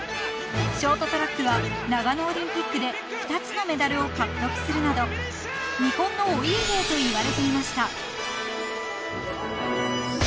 ［ショートトラックは長野オリンピックで２つのメダルを獲得するなど日本のお家芸といわれていました］